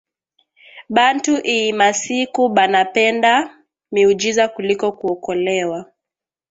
Bantu iyi masiku banapenda miujiza kuliko kuokolewa